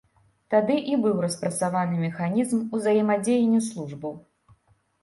Тады і быў распрацаваны механізм узаемадзеяння службаў.